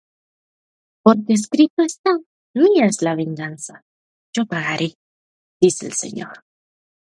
porque escrito está: Mía es la venganza: yo pagaré, dice el Señor.